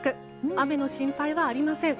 雨の心配はありません。